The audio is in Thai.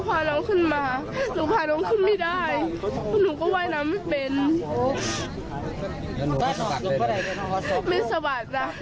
แล้วน้องอีกคนหนึ่งจะขึ้นปรากฏว่าต้องมาจมน้ำเสียชีวิตทั้งคู่